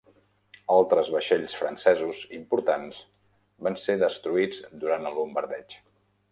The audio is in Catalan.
Altres vaixells francesos importants van ser destruïts durant el bombardeig.